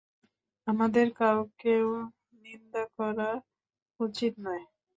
আমাদের কাকেও নিন্দা করা উচিত নয়।